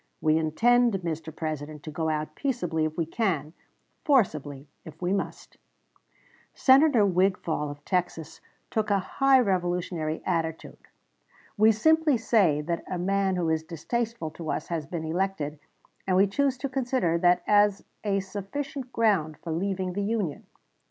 We intend, Mr. President, to go out peaceably if we can, forcibly if we must." "Globe," Dec. 5, 1860, p. 14. Senator Wigfall, of Texas, took a high revolutionary attitude. "We simply say that a man who is distasteful to us has been elected and we choose to consider that as a sufficient ground for leaving the Union."